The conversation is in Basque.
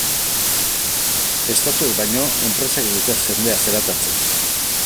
Estatuek baino, enpresek dute jendea zelatatzen.